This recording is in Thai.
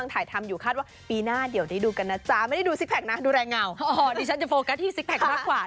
ชากอาบน้ำไม่รู้รอเล่นครับรอเล่น